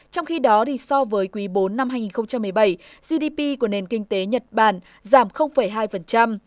trong khi đó so với quý bốn năm hai nghìn một mươi bảy gdp của nền kinh tế nhật bản giảm hai